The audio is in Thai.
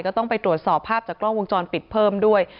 ต้องไปตรวจสอบภาพจากกล้องวงจรปิดเพิ่มด้วย